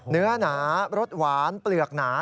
เนื้อหนารสหวานเปลือกหนา